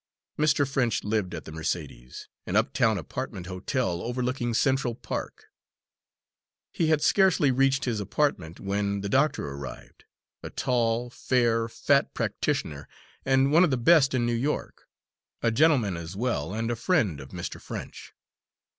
Mr. French lived at the Mercedes, an uptown apartment hotel overlooking Central Park. He had scarcely reached his apartment, when the doctor arrived a tall, fair, fat practitioner, and one of the best in New York; a gentleman as well, and a friend, of Mr. French.